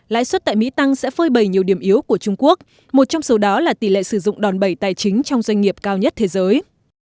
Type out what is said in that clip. lãi suất tại mỹ tăng sẽ phơi bầy nhiều điểm yếu của trung quốc một trong số đó là tỷ lệ sử dụng đòn bẩy tài chính trong doanh nghiệp cao nhất thế giới